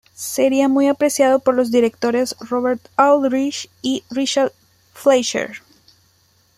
Sería muy apreciado por los directores Robert Aldrich y Richard Fleischer.